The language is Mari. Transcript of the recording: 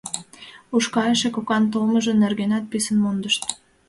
Ушкайыше кокан толмыжо нергенат писын мондышт.